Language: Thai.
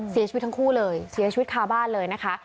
เสียชีวิตทั้งคู่เลยเสียชีวิตคาบ้านเลยนะคะ